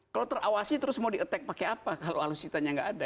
kalau terawasi terus mau di attack pakai apa kalau alutsitanya nggak ada